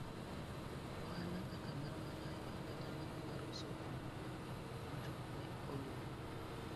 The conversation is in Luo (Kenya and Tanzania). Ohala kaka mar magawa kata mano mar uso amuna duto ne olor.